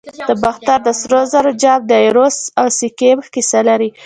د باختر د سرو زرو جام د ایروس او سایکي کیسه لري